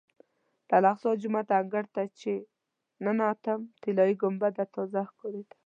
د الاقصی جومات انګړ ته چې ننوتم طلایي ګنبده تازه ښکارېده.